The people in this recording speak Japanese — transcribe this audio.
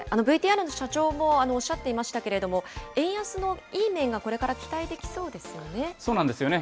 ＶＴＲの社長もおっしゃっていましたけれども、円安のいい面がこれから期待できそうですよね。